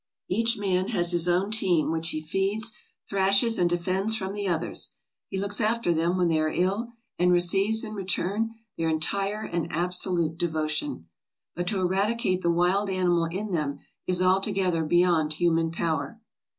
"Each man has his own team, which he feeds, thrashes, and defends from the others. He looks after them when they are ill, and receives, in return, their entire and absolute devotion. But to eradicate the wild animal in them is altogether beyond human power.